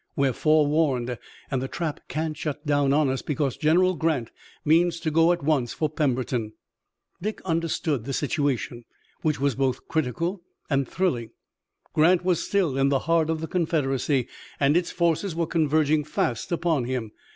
We're forewarned, and the trap can't shut down on us, because General Grant means to go at once for Pemberton." Dick understood the situation, which was both critical and thrilling. Grant was still in the heart of the Confederacy, and its forces were converging fast upon him.